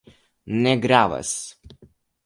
Ne gravas!